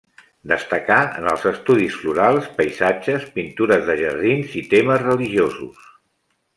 Destacà en els estudis florals, paisatges, pintures de jardins i temes religiosos.